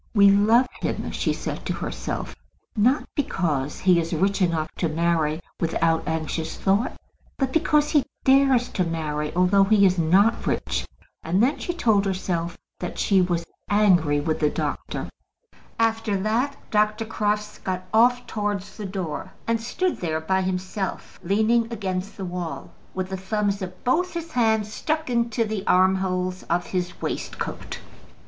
"We love him," she said to herself, "not because he is rich enough to marry without anxious thought, but because he dares to marry although he is not rich." And then she told herself that she was angry with the doctor. After that Dr. Crofts got off towards the door, and stood there by himself, leaning against the wall, with the thumbs of both his hands stuck into the armholes of his waistcoat.